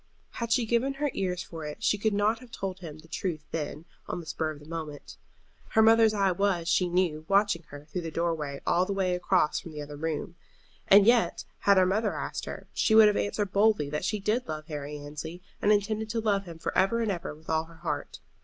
Had she given her ears for it she could not have told him the truth then, on the spur of the moment. Her mother's eye was, she knew, watching her through the door way all the way across from the other room. And yet, had her mother asked her, she would have answered boldly that she did love Harry Annesley, and intended to love him for ever and ever with all her heart.